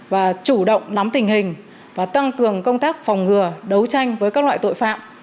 và chủ động nắm tình hình và tăng cường công tác phòng ngừa đấu tranh với các loại tội phạm